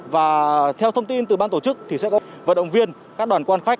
và theo thông tin từ ban tổ chức thì sẽ có vận động viên các đoàn quan khách